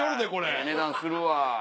ええ値段するわ。